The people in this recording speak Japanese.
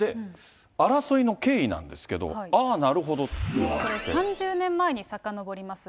争いの経緯なんですけど、ああ、３０年前にさかのぼります。